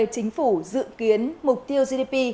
chính phủ dự kiến mục tiêu gdp